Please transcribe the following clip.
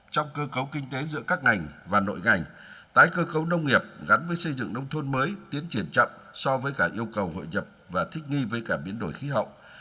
trong cơ cấu kinh tế giữa các ngành và nội ngành tái cơ cấu nông nghiệp gắn với xây dựng nông thôn mới tiến triển chậm so với cả yêu cầu hội nhập và thích nghi với cả biến đổi khí hậu